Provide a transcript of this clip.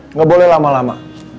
nggak boleh lama lama